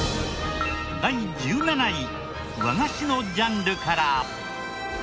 第１７位和菓子のジャンルから。